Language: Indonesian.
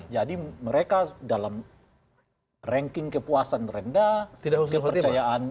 jadi mereka dalam ranking kepuasan rendah kepercayaan